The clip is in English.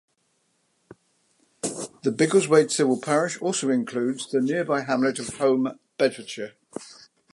The Biggleswade civil parish also includes the nearby hamlet of Holme, Bedfordshire.